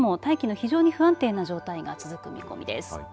非常に不安定な状態が続く見込みです。